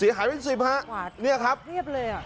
หายเป็นสิบฮะเนี่ยครับเรียบเลยอ่ะ